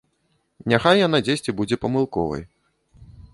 Няхай яна дзесьці будзе памылковай.